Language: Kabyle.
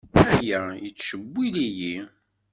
Aya yettcewwil-iyi.